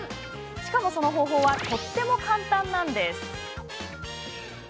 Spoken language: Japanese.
しかも、その方法はとっても簡単なんです。